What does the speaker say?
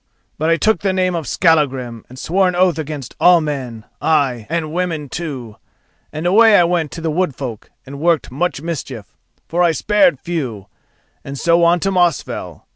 "'But I took the name of Skallagrim and swore an oath against all men, ay, and women too, and away I went to the wood folk and worked much mischief, for I spared few, and so on to Mosfell.